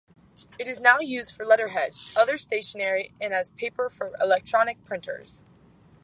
It is now used for letterheads, other stationery and as paper for electronic printers.